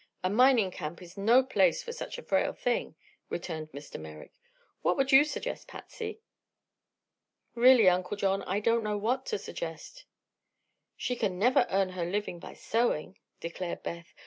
A mining camp is no place for such a frail thing," returned Mr. Merrick. "What would you suggest, Patsy?" "Really, Uncle John, I don't know what to suggest." "She can never earn her living by sewing," declared Beth.